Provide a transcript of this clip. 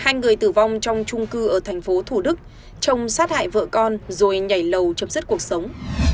hai người tử vong trong trung cư ở thành phố thủ đức trông sát hại vợ con rồi nhảy lầu chấm dứt cuộc sống